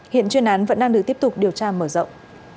hiện chuyên án vẫn đang được tiếp tục điều tra mở rộng